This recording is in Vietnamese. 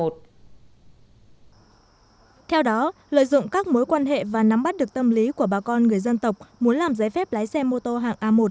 theo đó lợi dụng các mối quan hệ và nắm bắt được tâm lý của bà con người dân tộc muốn làm giấy phép lái xe mô tô hàng a một